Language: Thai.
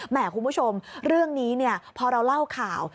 คุณผู้ชมเรื่องนี้พอเราเล่าข่าว